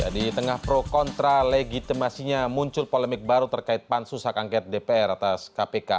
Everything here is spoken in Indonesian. di tengah pro kontra legitimasinya muncul polemik baru terkait pansus hak angket dpr atas kpk